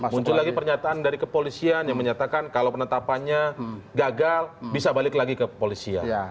muncul lagi pernyataan dari kepolisian yang menyatakan kalau penetapannya gagal bisa balik lagi ke polisi